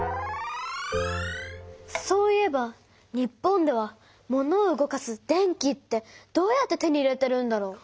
そういえば日本ではモノを動かす電気ってどうやって手に入れてるんだろう？